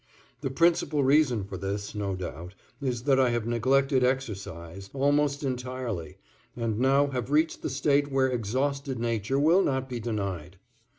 The principal reason for this, no doubt, is that I have neglected exercise almost entirely and now have reached the state where exhausted nature will not be denied.